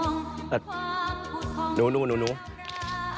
ความผุดของหนังสือ